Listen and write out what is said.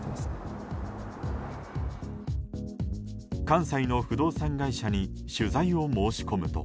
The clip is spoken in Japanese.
関西の不動産会社に取材を申し込むと。